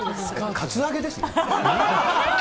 カツアゲですね。